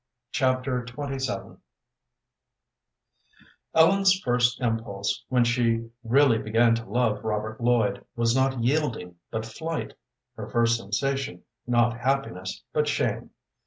Chapter XXVII Ellen's first impulse, when she really began to love Robert Lloyd, was not yielding, but flight; her first sensation, not happiness, but shame.